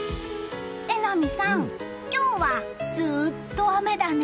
榎並さん、今日はずっと雨だね。